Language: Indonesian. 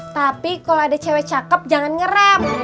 tapi kalau ada cewek cakep jangan ngerem